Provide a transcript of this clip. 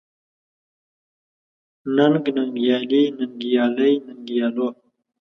ننګ، ننګيالي ، ننګيالۍ، ننګيالو ،